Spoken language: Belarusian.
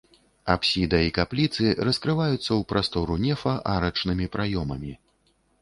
Апсіда і капліцы раскрываюцца ў прастору нефа арачнымі праёмамі.